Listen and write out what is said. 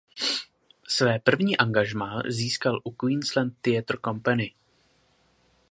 Své první angažmá získal u Queensland Theatre Company.